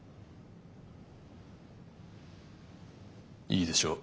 いいでしょう。